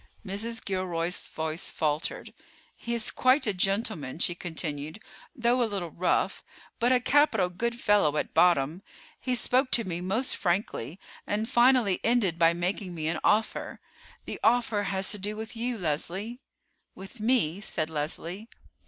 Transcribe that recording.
Mrs. Gilroy's voice faltered. "He is quite a gentleman," she continued, "though a little rough; but a capital good fellow at bottom. He spoke to me most frankly, and finally ended by making me an offer. The offer has to do with you, Leslie." "With me?" said Leslie.